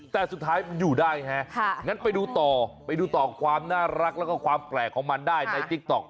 แต่สุดท้ายมันอยู่ได้ฮะงั้นไปดูต่อไปดูต่อความน่ารักแล้วก็ความแปลกของมันได้ในติ๊กต๊อก